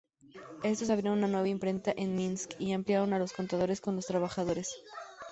Estos abrieron una nueva imprenta en Minsk y ampliaron los contactos con los trabajadores.